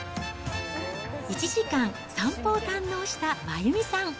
１時間散歩を堪能した眞由美さん。